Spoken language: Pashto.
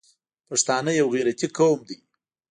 پښتانه یو غیرتي قوم دی.